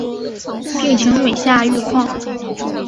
病情每下愈况